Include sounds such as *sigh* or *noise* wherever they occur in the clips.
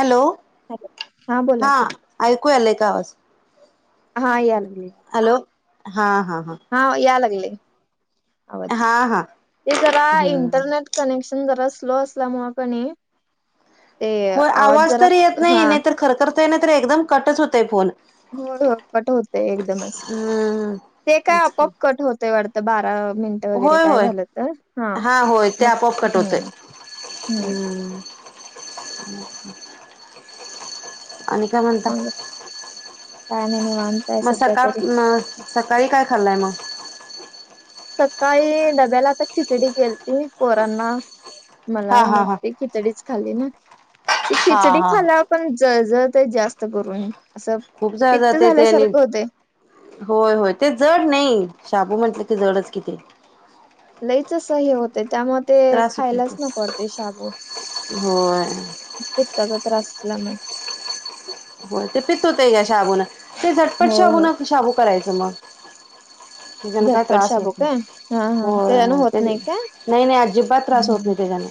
Hello! Hello हा बोला हां की ऐकू आलाय का आवाज? हा यालागलय यालागल. हॅलो! हा हा हा. हा यालागलय आवाज, हा हा ते जरा हम्म इंटरनेट कनेक्शन जरा स्लो असल्यामुळ कनाय ते आवाज जरा हा खरखरत नाही तर एकदम कटच होतय फोन. होय होय कट होतय एकदमच, हम्म ते काय तेच की आपोप कट होतय वाड बारा मिनट होय होय हा होय ते मग आपोप कट होतय हम्म हम्म हम् आणि काय म्हणता, मग काय नाही निवांतय म सध्या सकाळ तरी म सकाळी काय खाल्लाय मग? सकाळी डब्याला आता खिचडी केलती पोरांना, मला हा हा मग हा ते खिचडीच खाली ना, ती हा खिचडी हा खाल्यावर पण जळजळतय जास्त करून. असं खूप जड पित्त जाते ते आणि झाल्यासारखं होतय. होय होय ते जड नही, शाबू म्हटलं की जडच कि ते. लईच अस हे होते त्यामुळ ते त्रास होते खायलाच नको वाटतंय शाबू. होय पित्ताचा त्रास असल्यान. हो ते पित होतय या शाबून, ते झटपट होय होय शाबून शाबू करायचं मग. त्याच्यानं काय झटपट त्रास शाबू होत नाही काय हा हा त्यानं हो ते होत नाय काय? नाही नाही अजिबात त्रास होत हम्म. नाही त्याज्याने,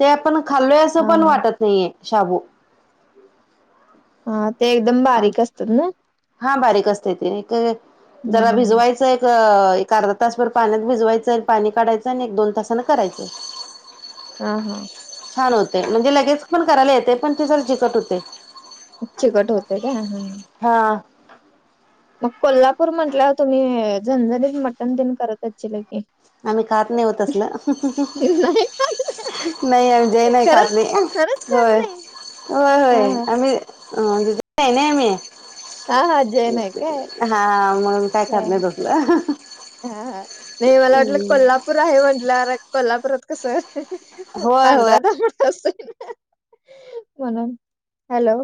ते आपण खाल्लोय असं हा पण हा वाटत नाहीये शाबू. हा ते एकदम बारीक असतात ना? हा बारीक असतय ते एक जरा हम्म. भिजवायचंय अ एक अर्धा तासभर पाण्यात भिजवायचं अन पाणी काढायचं आणि एक दोन तासान करायचं. हा हा. छान होतय, म्हणजे लगेच पण करायला येतय पण तेजरा जीकट हुतंय. चिकट होतय काय हा हा. मग कोल्हापूर म्हटल्यावर तुम्ही झणझणीत मटण तेन करत अच्छीला की? आम्ही खात नाही होत तसलं नाही खात *unintelligible* नाही म्हणजे नाही खात खरंच नाही, खरंच खात होय नाही? होय हा होय हा आम्ही अ *inaudible* आहे नाही आम्ही हा हा जैन आहे काय हा मग काय खात हा नाही तसल हा हा नाही मला वाटलं कोल्हापूर आहे म्हंटल्यावर, कोल्हापूरात कस होय होय पांढरा, तांबडा रस्सा *unintelligible* हॅलो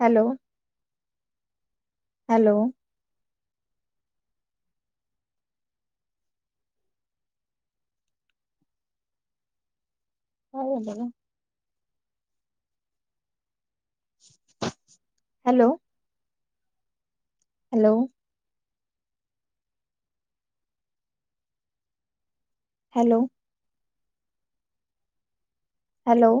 हॅलो. हॅलो. हा हो बोला. हॅलो. हॅलो! हॅलो! हॅलो!